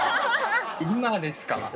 今ですか？